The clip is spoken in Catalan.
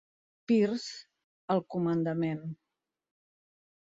Pierce al comandament.